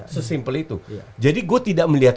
sesimpel itu jadi gue tidak melihat